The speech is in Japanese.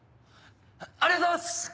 ありがとうございます！